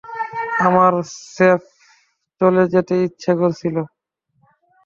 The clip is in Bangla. আমার স্রেফ চলে যেতে ইচ্ছা করছিল।